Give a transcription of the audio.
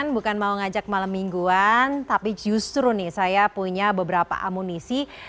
bukan mau ngajak malam mingguan tapi justru nih saya punya beberapa amunisi